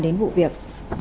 đến vụ việc